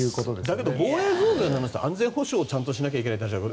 だけど防衛増税の話は安全保障をちゃんとしなきゃいけない話で。